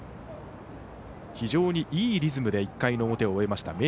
非常にいいリズムで１回の表終えました。